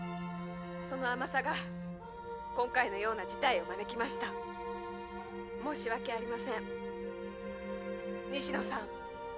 その甘さが今回のような事態を招きました申し訳ありません西野さん